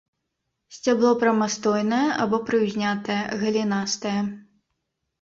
Сцябло прамастойнае або прыўзнятае, галінастае.